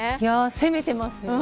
攻めてますよね。